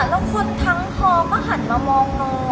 แล้วคนทั้งท้องก็หันมามองโหน